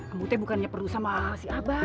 ambo ini bukannya perlu sama si abah